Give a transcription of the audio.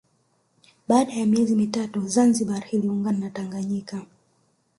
Baada ya miezi mitatu Zanzibar iliungana na Tanganyika